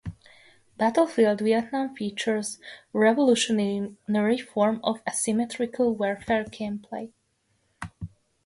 "Battlefield Vietnam" features a revolutionary form of asymmetrical warfare gameplay.